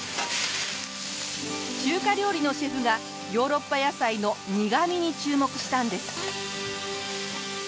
中華料理のシェフがヨーロッパ野菜の「苦み」に注目したんです。